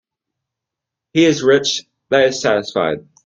He is rich that is satisfied.